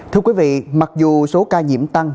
thưa quý vị mặc dù số ca nhiễm tăng